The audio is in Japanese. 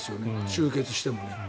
終結してもね。